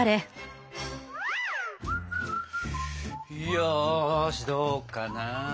よしどうかな。